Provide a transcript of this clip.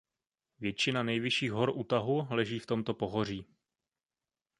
Většina nejvyšších hor Utahu leží v tomto pohoří.